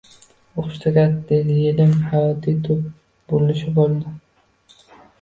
O`qishni tugatgan yilim hayotimda tub burilish bo`ldi